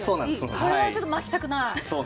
これはちょっと巻きたくない。